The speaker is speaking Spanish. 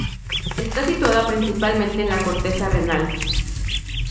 Está situada principalmente en la corteza renal.